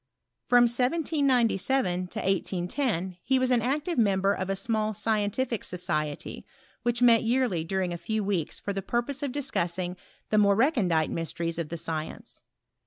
From 1797 to 1810 he was an active member of a small scientific society, which met yearly during a few weeks for the purpose of discussing the mc»*e re eoadite mysteries of the science.